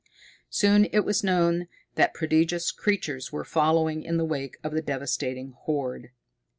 Soon it was known that prodigious creatures were following in the wake of the devastating horde.